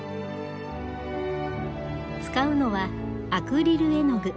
使うのはアクリル絵の具。